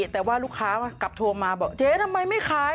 แต่ว่าลูกค้ากลับโทรมาบอกเจ๊ทำไมไม่ขาย